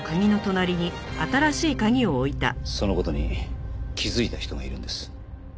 その事に気づいた人がいるんです。